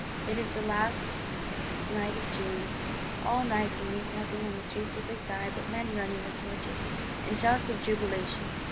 It is the last night of June: all night you meet nothing on the streets of Versailles but "men running with torches" with shouts of jubilation.